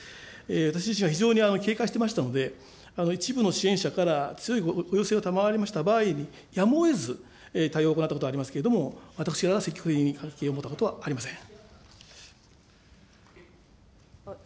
私自身は非常に警戒していましたので、一部の支援者から強いご要請を賜りました場合に、やむをえず対応を行ったことはありますけれども、私から積極的に関係を持ったことはありません。